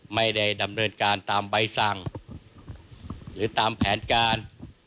ไม่ได้ดำเนินการตามใบสั่งหรือตามแผนการ